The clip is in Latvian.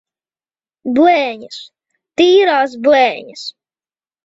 Blēņas! Tīrās blēņas!